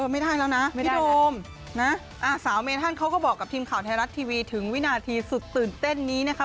ไม่ได้แล้วนะพี่โดมนะสาวเมธันเขาก็บอกกับทีมข่าวไทยรัฐทีวีถึงวินาทีสุดตื่นเต้นนี้นะคะ